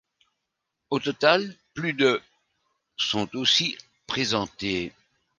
Au total, plus de sont aussi présentées.